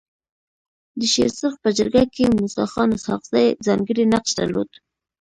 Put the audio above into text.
د شيرسرخ په جرګه کي موسي خان اسحق زي ځانګړی نقش درلود.